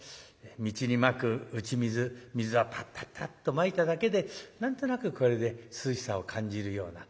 道にまく打ち水水をパッパッパッとまいただけで何となくこれで涼しさを感じるような。